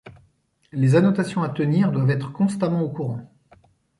Les annotations à tenir doivent être constamment au courant.